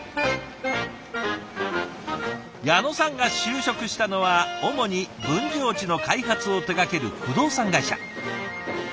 矢野さんが就職したのは主に分譲地の開発を手がける不動産会社。